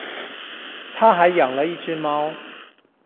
她還養了一隻貓